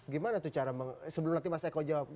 gimana tuh cara sebelum nanti mas eko jawab